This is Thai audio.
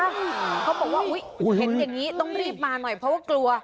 เขาบอกว่าอุ๊ยเห็นอย่างนี้ต้องรีบมาหน่อยเพราะว่ากลัว